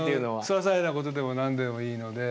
ささいなことでも何でもいいので。